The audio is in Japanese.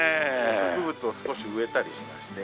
植物を少し植えたりしまして。